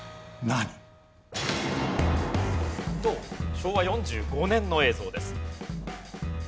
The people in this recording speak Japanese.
昭和４５年の映像です。